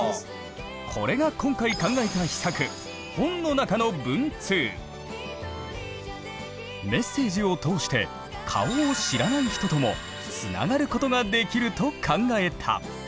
これが今回考えた秘策メッセージを通して顔を知らない人ともつながることができると考えた！